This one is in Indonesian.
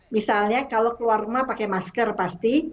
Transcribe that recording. misalnya kalau keluar rumah pakai masker pasti